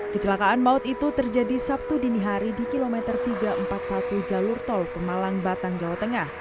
kecelakaan maut itu terjadi sabtu dini hari di kilometer tiga ratus empat puluh satu jalur tol pemalang batang jawa tengah